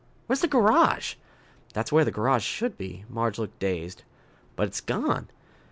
"Where's the garage?" "That's where the garage should be." Marge looked dazed. "But it's gone!"